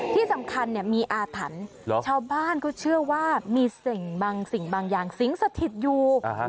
ที่สำคัญมีอาถรรพ์เช้าบ้านก็เชื่อว่ามีสิ่งบางอย่างสิงสถิตอยู่